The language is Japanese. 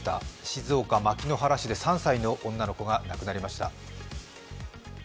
静岡牧之原市で３歳の女の子が亡くなりました。